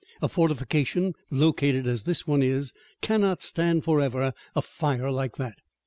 A fortification located as this one is cannot stand forever a fire like that."